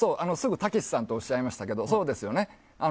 たけしさんとおっしゃいましたがそうです。